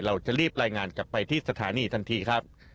เราจะรีบรายงานกลับไปที่สถานีทันทีครับ